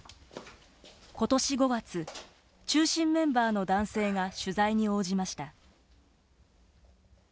今年５月、中心メンバーの男性が取材に応じました。